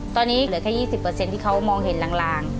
ตอนนี้เหลือแค่๒๐ที่เขามองเห็นลาง